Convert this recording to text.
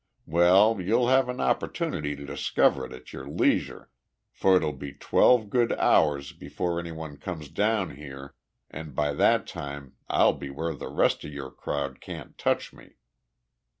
Well, you'll have an opportunity to study it at your leisure, for it'll be twelve good hours before anyone comes down here, and by that time I'll be where the rest of your crowd can't touch me."